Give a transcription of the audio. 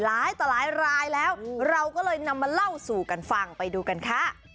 หลายต่อหลายรายแล้วเราก็เลยนำมาเล่าสู่กันฟังไปดูกันค่ะ